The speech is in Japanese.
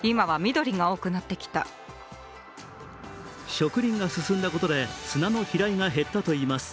植林が進んだことで砂の飛来が減ったといいます。